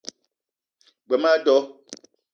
G-beu ma a do